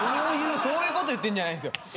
そういうこと言ってんじゃないんですよ。